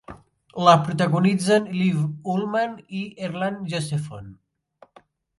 La protagonitzen Liv Ullmann i Erland Josephson.